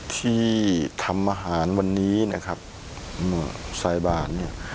ที่ทำอาหารวันนี้นะครับสายบานเนี่ย